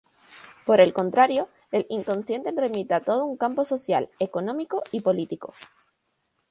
Por el contrario, el inconsciente remite a todo un campo social, económico y político.